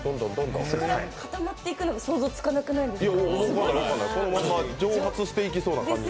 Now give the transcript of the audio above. ここから固まっていくのが想像つかなくないですか？